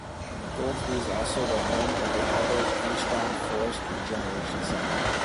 Goldsby is also the home of the Albert Engstrom Forest Regeneration Center.